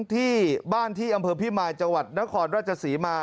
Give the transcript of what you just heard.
ที่บ้านที่อำเภอพิมายจังหวัดนครราชศรีมา